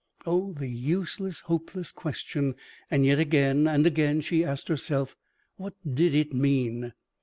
Oh, the useless, hopeless question! And yet, again and again she asked herself: what did it mean?